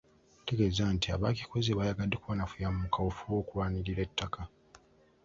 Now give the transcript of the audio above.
Ategeeza nti abaakikoze baayagadde kubanafuya mu kaweefube w'okulirwanirira ettaka.